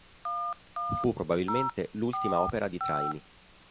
Fu probabilmente l'ultima opera di Traini.